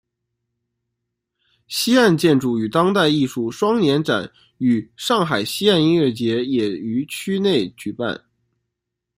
西岸建筑与当代艺术双年展与上海西岸音乐节也于区内举办。